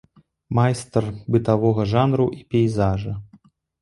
Майстар бытавога жанру і пейзажа.